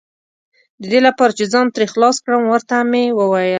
د دې لپاره چې ځان ترې خلاص کړم، ور ته مې وویل.